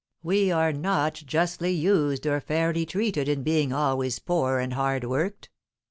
We are not justly used or fairly treated in being always poor and hard worked."